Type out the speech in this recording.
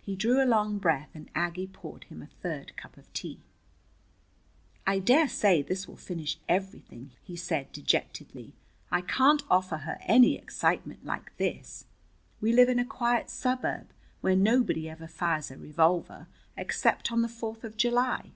He drew a long breath, and Aggie poured him a third cup of tea. "I dare say this will finish everything," he said dejectedly. "I can't offer her any excitement like this. We live in a quiet suburb, where nobody ever fires a revolver except on the Fourth of July."